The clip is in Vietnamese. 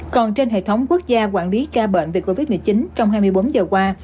còn trên hệ thống quốc gia quản lý ca bệnh về covid một mươi chín trong hai mươi bốn giờ qua